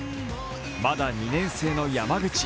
まだ２年生の山口。